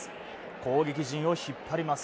攻撃陣を引っ張ります。